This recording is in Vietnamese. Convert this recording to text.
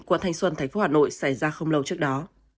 quận thành xuân tp hà nội xảy ra không lâu trước đó